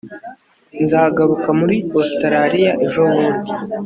nzagaruka muri ositaraliya ejobundi